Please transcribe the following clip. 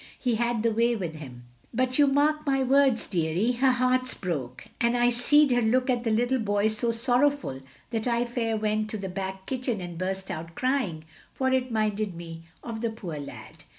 He had the way with him. But you mark my words, deary, her heart 's broke; and I seed her look at the little boy so sorrowful that I fair went to the back kitchen and burst out cr3dng, for it minded me of the poor lad.